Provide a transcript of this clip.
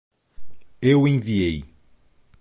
Eu enviei